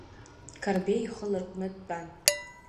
Қарбеи ихы ларҟәны дтәан.